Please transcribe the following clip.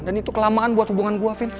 dan itu kelamaan buat hubungan gue fin